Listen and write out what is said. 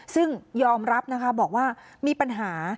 ซึ่งยอมรับนะคะบอกว่ามีปัญหา